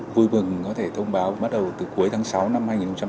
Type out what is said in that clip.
vui vừng có thể thông báo bắt đầu từ cuối tháng sáu năm hai nghìn hai mươi ba